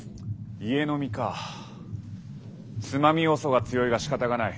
家呑みかつまみ要素が強いがしかたがない。